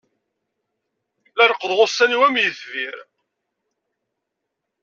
La leqqḍeɣ ussan-iw am itbir.